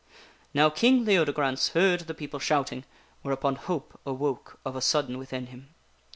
Now King Leodegrance heard the people shouting, whereupon hope awoke of a sudden within him.